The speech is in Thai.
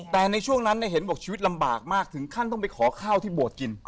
แต่ในช่วงนั้นเห็นบอกชีวิตลำบากมากถึงขั้นต้องไปขอข้าวที่บวชกิน